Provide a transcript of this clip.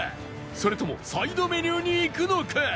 それともサイドメニューにいくのか？